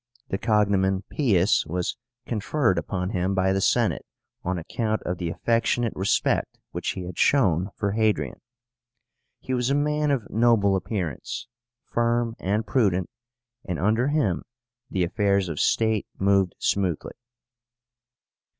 The cognomen PIUS was conferred upon him by the Senate on account of the affectionate respect which he had shown for Hadrian. He was a man of noble appearance, firm and prudent, and under him the affairs of state moved smoothly.